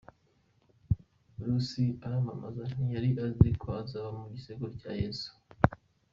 Rusi amaramaza ntiyari azi ko azaba mu gisekuru cya Yesu.